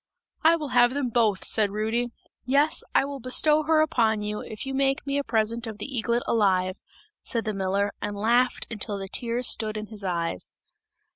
'I will have them both!' said Rudy. 'Yes, I will bestow her upon you, if you make me a present of the eaglet alive!' said the miller and laughed until the tears stood in his eyes.